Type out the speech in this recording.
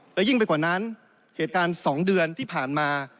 และยิ่งไปกว่านั้นเหตุการณ์๒เดือนที่ผ่านมา